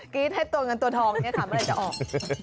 กรี๊ดให้ตัวเงินตัวทองนี้คำอะไรจะออก